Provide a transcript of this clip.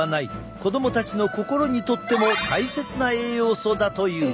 子供たちの心にとっても大切な栄養素だという。